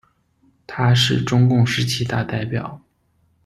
他是中共十七大代表。